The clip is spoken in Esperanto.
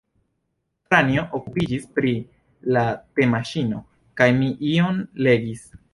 Franjo okupiĝis pri la temaŝino, kaj mi iom legis.